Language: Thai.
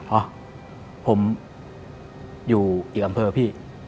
อ๋อผมอยู่อีกอำเภอพี่